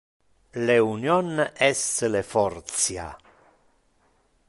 Le union es le fortia.